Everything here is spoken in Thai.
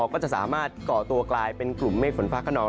ก็จะสามารถก่อตัวกลายเป็นกลุ่มเมฆฝนฟ้าขนอง